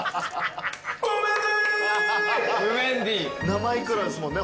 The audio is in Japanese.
生いくらですもんね